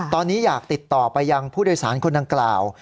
ตอนนี้อยากติดต่อไปยังผู้โดยสารคนดังกล่าว